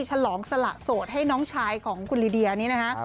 ฉลองสละโสดให้น้องชายของคุณลีเดียนี้นะคะ